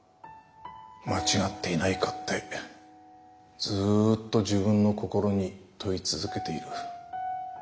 間違っていないかってずっと自分の心に問い続けている。